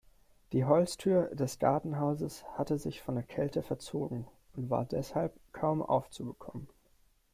Die Holztür des Gartenhauses hatte sich von der Kälte verzogen und war deshalb kaum aufzubekommen.